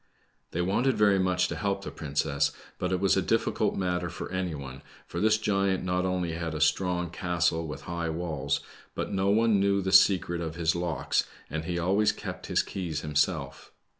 They wanted very much to help the princess, but it was a difficult 'matter for any one, for this giant not only had a strong castle with high walls, but no one knew the secret of his locks, and he always kept his keys himself.